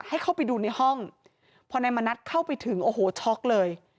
ให้เข้าไปดูในห้องพอนายมณัฐเข้าไปถึงโอ้โหช็อกเลย